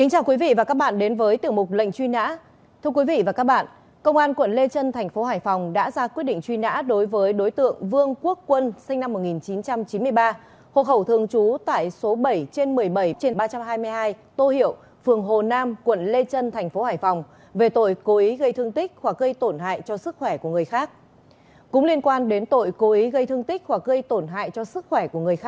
hãy đăng ký kênh để ủng hộ kênh của chúng mình nhé